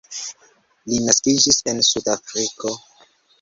Li naskiĝis en Sudafriko.